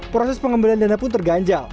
proses pengembalian dana pun terganjal